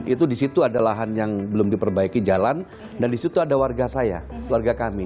itu di situ ada lahan yang belum diperbaiki jalan dan disitu ada warga saya warga kami